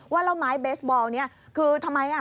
ว่าแล้วไม้เบสบอลเนี่ยคือทำไมอ่ะ